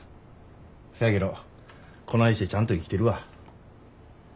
せやけどこないしてちゃんと生きてるわ。